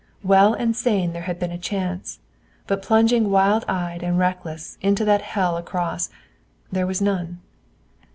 Well and sane there had been a chance, but plunging wild eyed and reckless, into that hell across, there was none.